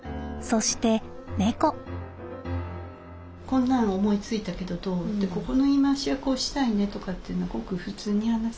こんなん思いついたけどどう？ってここの言い回しはこうしたいねとかっていうのはごく普通に話すよね？